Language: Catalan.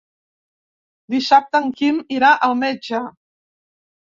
Dissabte en Quim irà al metge.